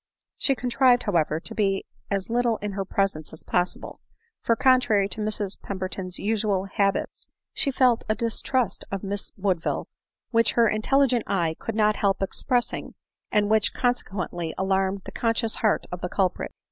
She contrived, however, to be as little in her presence as possible ; for, contrary to Mrs Pemberton's usual bab its, she felt a distrust of Miss Woodville, which her intel ligent eye could not help expressing, and which conse quently alarmed the conscious heart of the culprit.